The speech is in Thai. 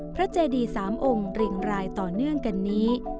พระเจดีสามองค์ริ่งรายต่อเนื่องกันนี้